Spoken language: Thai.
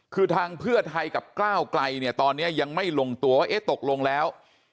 คือทางเพื่อไทยกับก้าวไกลเนี่ยตอนนี้ยังไม่ลงตัวว่าเอ๊ะตกลงแล้ว